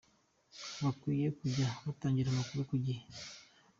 Bakwiye kujya batangira amakuru ku gihe.